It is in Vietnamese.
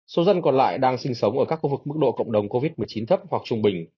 số dân còn lại đang sinh sống ở các khu vực mức độ cộng đồng covid một mươi chín thấp hoặc trung bình